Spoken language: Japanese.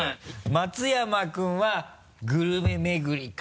松山君はグルメ巡りか。